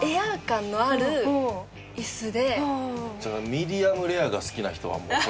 ミディアムレアが好きな人はもうこれですね。